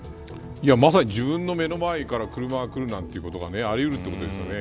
まさに自分の目の前から車がくるということがあり得るということですよね。